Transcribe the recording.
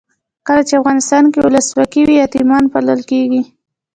کله چې افغانستان کې ولسواکي وي یتیمان پالل کیږي.